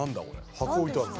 箱置いてあるぞ。